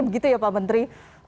begitu ya pak menteri